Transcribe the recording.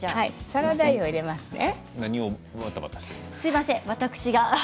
サラダ油を入れますね。